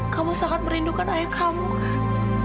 kamu sangat merindukan ayah kamu kan